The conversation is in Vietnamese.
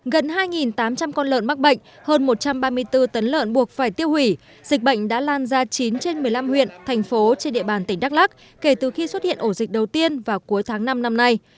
gần hai tám trăm linh con lợn mắc bệnh hơn một trăm ba mươi bốn tấn lợn buộc phải tiêu hủy dịch bệnh đã lan ra chín trên một mươi năm huyện thành phố trên địa bàn tỉnh đắk lắc kể từ khi xuất hiện ổ dịch đầu tiên vào cuối tháng năm năm nay